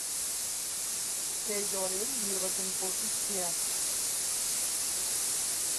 এই দলের নির্বাচনী প্রতীক চেয়ার।